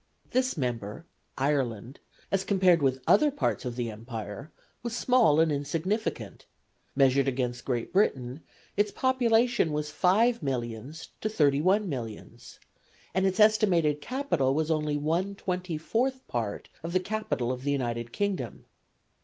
This member Ireland as compared with other parts of the empire, was small and insignificant; measured against Great Britain, its population was five millions to thirty one millions, and its estimated capital was only one twenty fourth part of the capital of the United Kingdom.